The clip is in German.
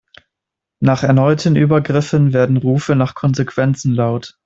Nach erneuten Übergriffen werden Rufe nach Konsequenzen laut.